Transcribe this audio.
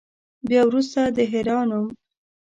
بیا وروسته د حرا نوم.